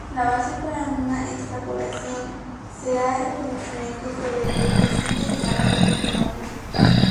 La base para una extrapolación será el conocimiento sobre el reciente desarrollo del fenómeno.